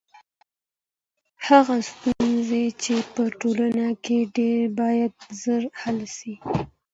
هغه ستونزي چي په ټولنه کي دي باید ژر حل سي.